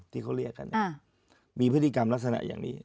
ที่เขาเรียกกันมีพฤติกรรมลักษณะอย่างนี้